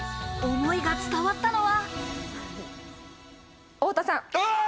思いが伝わったのは。